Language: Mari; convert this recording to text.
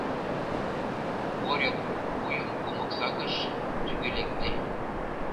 Боря вуйым кумык сакыш, тӱгӧ лекте.